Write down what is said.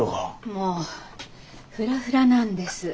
もうフラフラなんです。